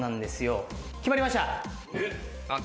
決まりました。